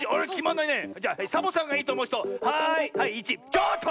ちょっと！